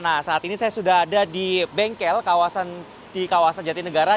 nah saat ini saya sudah ada di bengkel di kawasan jatinegara